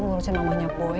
ngurusin mamanya boy